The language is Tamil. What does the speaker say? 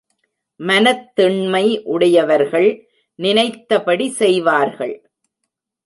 மனத்திண்மை உடையவர்கள் நினைத்தபடி செய்வார்கள்.